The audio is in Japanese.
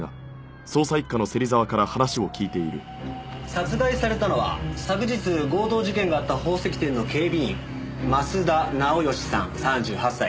殺害されたのは昨日強盗事件があった宝石店の警備員増田直由さん３８歳。